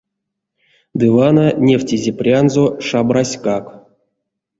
Ды вана невтизе прянзо шабраськак.